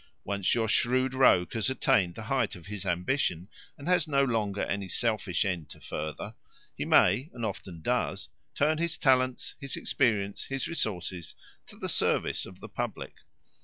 Once your shrewd rogue has attained the height of his ambition, and has no longer any selfish end to further, he may, and often does, turn his talents, his experience, his resources, to the service of the public.